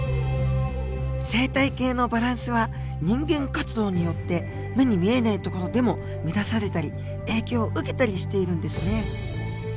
生態系のバランスは人間活動によって目に見えない所でも乱されたり影響を受けたりしているんですね。